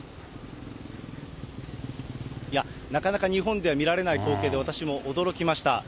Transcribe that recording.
なかなか日本では見られない光景で、私も驚きました。